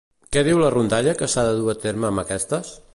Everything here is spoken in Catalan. Què diu la rondalla que s'ha de dur a terme amb aquestes?